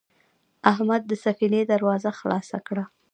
احمد د سفینې دروازه خلاصه کړه.